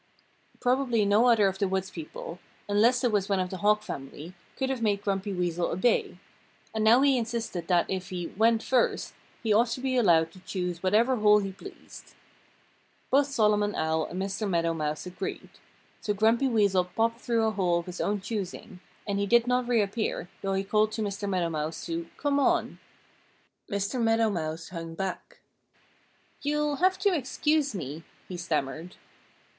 Probably no other of the woods people unless it was one of the Hawk family could have made Grumpy Weasel obey. And now he insisted that if he "went first" he ought to be allowed to choose whatever hole he pleased. Both Solomon Owl and Mr. Meadow Mouse agreed. So Grumpy Weasel popped through a hole of his own choosing, and he did not reappear, though he called to Mr. Meadow Mouse to "come on." Mr. Meadow Mouse hung back. "You'll have to excuse me," he stammered.